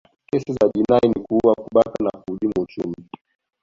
kesi za jinai ni kuua kubaka na kuhujumu uchumi